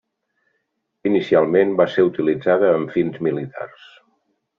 Inicialment va ser utilitzada amb fins militars.